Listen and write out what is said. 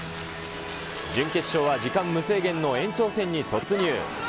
準決勝は時間無制限の延長戦に突入。